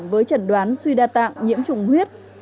với chẩn đoán suy đa tạng nhiễm trùng huyết